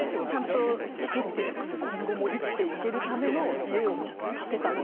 ちゃんと１人で今後も生きていけるための家を建てたので。